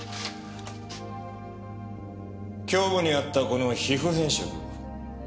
胸部にあったこの皮膚変色。